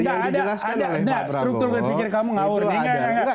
yang dijelaskan oleh pak prabowo